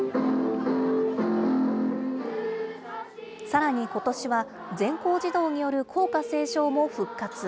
さらにことしは、全校児童による校歌斉唱も復活。